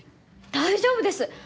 大丈夫です。